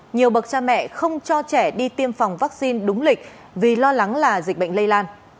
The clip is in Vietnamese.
nhiều bậc cha mẹ không cho trẻ đi tiêm phòng vaccine đúng lịch vì lo lắng là dịch bệnh lây lan